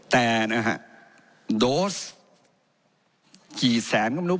แต่นะฮะโดสกี่แสนก็ไม่รู้